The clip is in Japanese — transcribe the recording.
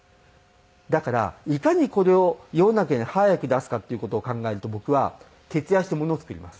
だからいかにこれを世の中に早く出すかっていう事を考えると僕は徹夜してものを作ります。